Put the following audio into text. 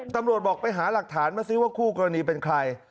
ตำรวจบอกไปหาหลักฐานมาซิว่าคู่กรณีเป็นใคร